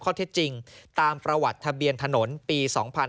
คล้องกับข้อเท็จจริงตามประวัติทะเบียนถนนปี๒๕๐๓